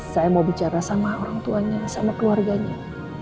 saya mau bicara sama orang tuanya sama keluarganya